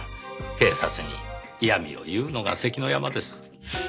警察に嫌みを言うのが関の山です。